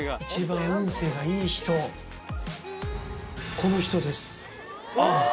この人です。